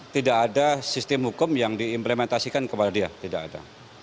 tidak ada sistem hukum yang diimplementasikan kepada dia tidak ada